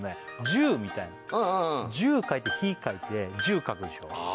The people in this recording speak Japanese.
「十」みたいな「十」書いて「日」書いて「十」書くでしょ